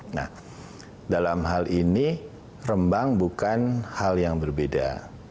nah dalam hal ini rembang bukan hal yang berbeda